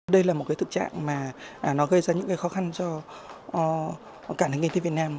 đây là một cái tự trạng mà nó gây ra những cái khó khăn cho cả những doanh nghiệp việt nam